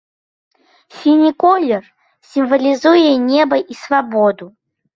Сіні колер сімвалізуе неба і свабоду.